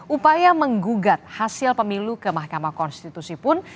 upaya menggugat hasil pemilu ke mahkamah konstitusi pun